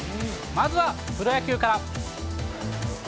まずはプロ野球から。